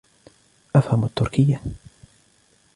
أفهم التركية.